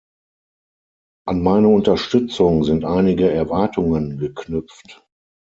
An meine Unterstützung sind einige Erwartungen geknüpft.